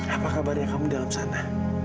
apa kabarnya kamu di dalam sana